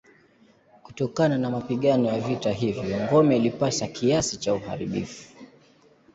Kutokana na mapigano ya vita hivyo ngome ilipata kiasi cha uharibifu.